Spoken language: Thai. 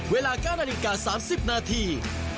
เวลา๙นาฬิกา๓๐นาที